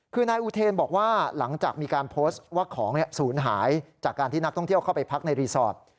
คือนายอุเทนบอกว่าหลังจากมีการโพสต์ว่าของศูนย์หายจากการที่นักท่องเที่ยวเข้าไปพักในรีสอร์ท